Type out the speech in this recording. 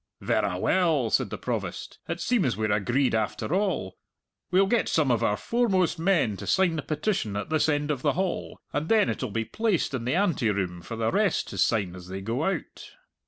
"Verra well," said the Provost; "it seems we're agreed after all. We'll get some of our foremost men to sign the petition at this end of the hall, and then it'll be placed in the anteroom for the rest to sign as they go out."